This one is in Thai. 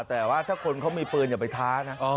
แต่ว่าถ้าคนเขามีปืนอย่าไปท้านะ